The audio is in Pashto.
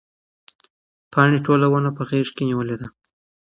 پاڼې ټوله ونه په غېږ کې نیولې ده.